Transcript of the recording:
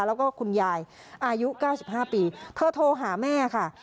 แล้วก็คุณยายอายุเก้าสิบห้าปีเธอโทรหาแม่ค่ะ